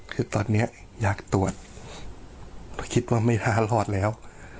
คือตอนนี้อยากตรวจเพราะคิดว่าไม่น่ารอดแล้ว